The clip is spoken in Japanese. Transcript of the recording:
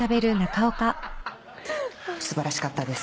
素晴らしかったです。